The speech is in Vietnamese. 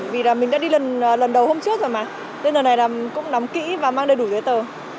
vì là mình đã đi lần đầu hôm trước rồi mà nên lần này là cũng nắm kỹ và mang đầy đủ giấy tờ